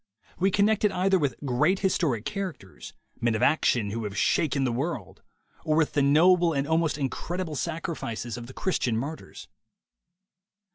We connect it either with great historic characters, men of action who have shaken the world, or with the noble and almost incredible sacrifices of the Christian martyrs.